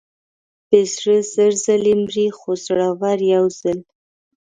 بې زړه زر ځلې مري، خو زړور یو ځل.